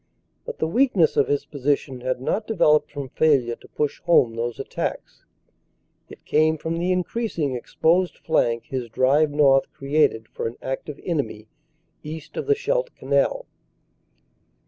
But the weakness of his position had not developed from failure to push home those attacks. It came from the increas ing exposed flank his drive north created for an active enemy east of the Scheldt Canal.